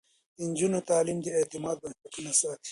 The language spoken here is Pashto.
د نجونو تعليم د اعتماد بنسټونه ساتي.